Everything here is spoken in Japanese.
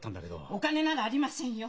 お金ならありませんよ！